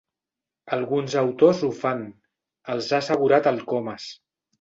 Alguns autors ho fan —els ha assegurat el Comas—.